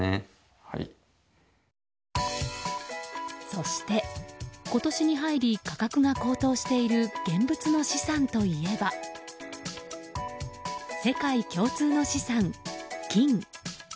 そして、今年に入り価格が高騰している現物の資産といえば世界共通の資産、金。